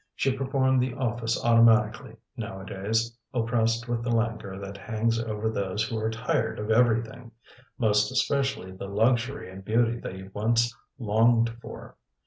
She performed the office automatically nowadays, oppressed with the languor that hangs over those who are tired of everything, most especially the luxury and beauty they once longed for.